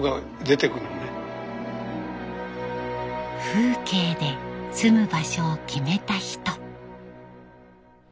風景で住む場所を決めた人。